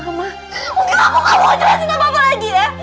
aku gak mau jelasin apa apa lagi ya